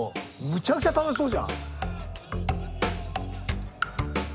むちゃくちゃ楽しそうじゃん。